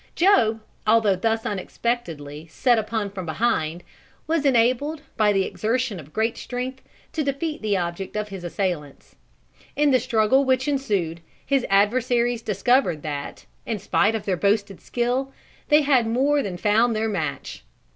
Job, although thus unexpectedly set upon from behind, was enabled, by the exertion of great strength, to defeat the object of his assailants. In the struggle which ensued, his adversaries discovered that, in spite of their boasted skill, they had more than found their match.